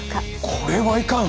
これはいかん！